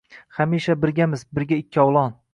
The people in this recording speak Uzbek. Hamisha birgamiz, birga ikovlon!